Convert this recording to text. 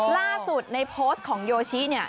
ล่าสุดในโพสต์ของโยชิเนี่ย